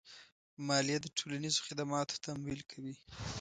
مالیه د ټولنیزو خدماتو تمویل کوي.